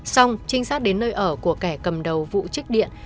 xong trinh sát đến nơi ở của kẻ cầm đầu vụ trích điện